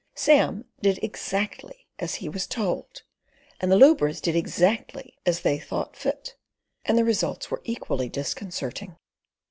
Sam did exactly as he was told, and the lubras did exactly as they thought fit, and the results were equally disconcerting.